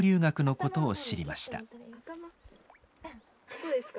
こうですか？